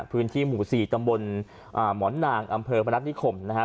พื้นที่หมู่สี่จำบลอ่าหมอนนางอำเภอพระนัทธิขมนะฮะ